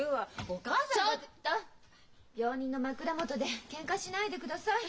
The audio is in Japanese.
病人の枕元でケンカしないでください。